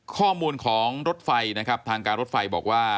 ข้อมูลของทางการรถไฟบอกว่า